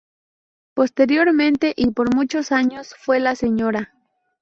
Posteriormente y por muchos años fue la Sra.